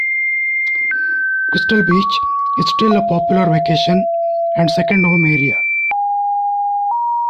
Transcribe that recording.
Crystal Beach is still a popular vacation and second-home area.